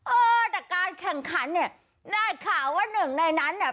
เออแต่การแข่งขันเนี่ยได้ข่าวว่าหนึ่งในนั้นเนี่ย